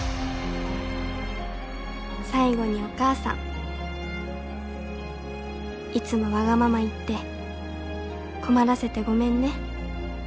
「最後にお母さんいつもワガママ言って困らせてごめんね。